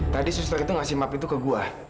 tadi suster itu ngasih map itu ke gua